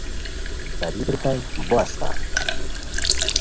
طبیب ریتائے بو اسقان